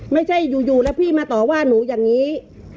ไม่ใช่อยู่แล้วพี่มาต่อว่าหนูอย่างนี้